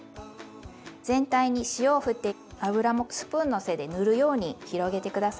全体に塩をふって油もスプーンの背で塗るように広げて下さい。